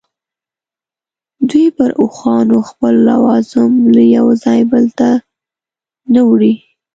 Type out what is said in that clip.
دوی پر اوښانو خپل لوازم له یوه ځایه بل ته نه وړي.